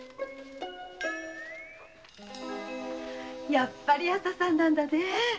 やっぱり朝さんなんだね。